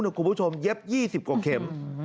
เหนือนุ่ยเย็บ๒๐กว่าเข็ม